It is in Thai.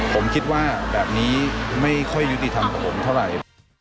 ผมคิดว่าแบบนี้ไม่ค่อยยุติธรรมกับผมเท่าไหร่